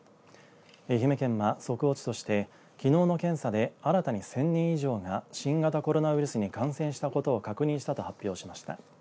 愛媛県が速報値としてきのうの検査で新たに１０００人以上が新型コロナウイルスに感染したことを確認したと発表しました。